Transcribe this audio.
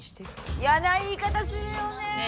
嫌な言い方するよね。